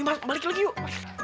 mas balik lagi yuk